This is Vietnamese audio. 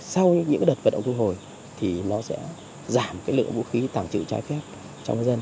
sau những đợt vận động thu hồi thì nó sẽ giảm cái lượng vũ khí tàng trữ trái phép trong dân